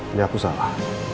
ini aku salah